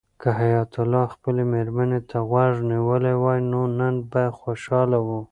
که حیات الله خپلې مېرمنې ته غوږ نیولی وای نو نن به خوشحاله و.